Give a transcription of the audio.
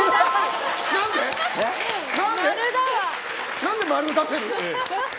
何で〇を出せる？